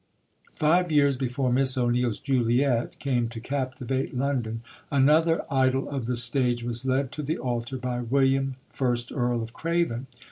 Five years before Miss O'Neill's Juliet came to captivate London, another idol of the stage was led to the altar by William, first Earl of Craven.